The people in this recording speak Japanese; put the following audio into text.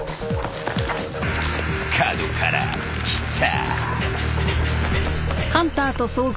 ［角から来た］